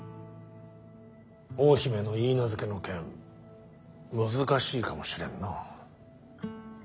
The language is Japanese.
大姫の許婚の件難しいかもしれんな。